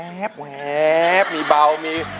แหวบแหวบมีเบามี